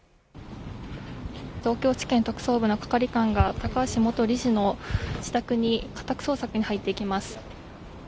東京地検特捜部の係官が高橋元理事の自宅に家宅捜索に入っていきます。